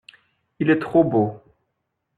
Il est trop beau.